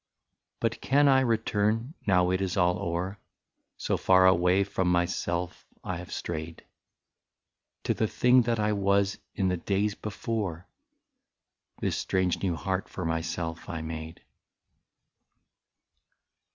" But can I return, now all is o'er, — So far away from the past I have strayed, — To the thing that I was in the days before This strange new heart for myself I made